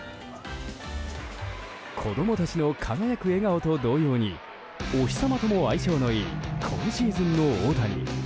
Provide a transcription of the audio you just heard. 子供たちの輝く笑顔と同様にお日様とも相性のいい今シーズンの大谷。